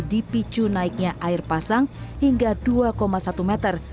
dipicu naiknya air pasang hingga dua satu meter